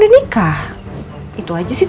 nikah itu aja sih